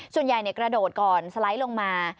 ส่วนใหญ่กระโดดก่อนสไลด์ลงมา